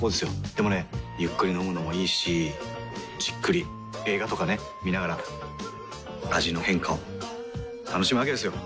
でもねゆっくり飲むのもいいしじっくり映画とかね観ながら味の変化を楽しむわけですよ。